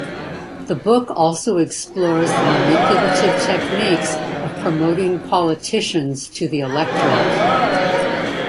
The book also explores the manipulative techniques of promoting politicians to the electorate.